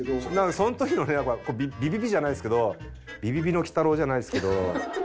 その時のねやっぱりビビビじゃないですけどビビビの鬼太郎じゃないですけど。